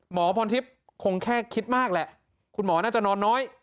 หมอพรทิพย์คงแค่คิดมากแหละคุณหมอน่าจะนอนน้อย